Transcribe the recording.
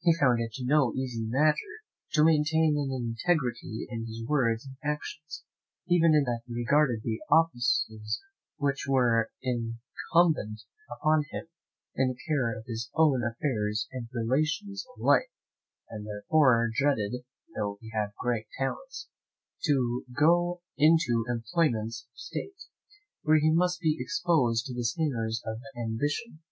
He found it no easy matter to maintain an integrity in his words and actions, even in things that regarded the offices which were incumbent upon him, in the care of his own affairs and relations of life, and therefore dreaded (though he had great talents) to go into employments of state, where he must be exposed to the snares of ambition.